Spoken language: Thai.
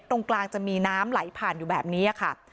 ตรงกลางจะมีน้ำไหลผ่านอยู่แบบนี้ค่ะ